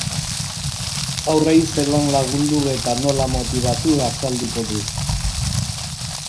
Haurrei zelan lagundu eta nola motibatu azalduko du.